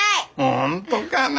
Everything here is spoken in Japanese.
本当かな？